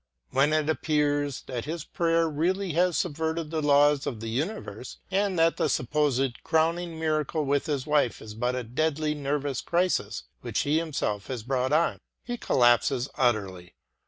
When it appears that his prayer really has subverted the laws of the universe, and that the supposed crowning miracle with his wife is but a deadly nervous crisis, which he himself has brought on, he collapses utterly.